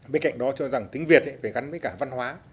bên cạnh đó cho rằng tiếng việt phải gắn với cả văn hóa